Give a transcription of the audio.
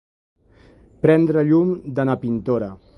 Prendre llum de na Pintora.